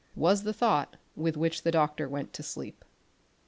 was the thought with which the doctor went to sleep.